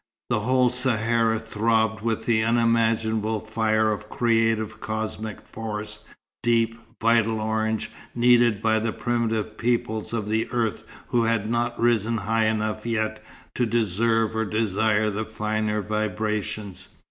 The whole Sahara throbbed with the unimaginable fire of creative cosmic force, deep, vital orange, needed by the primitive peoples of the earth who had not risen high enough yet to deserve or desire the finer vibrations.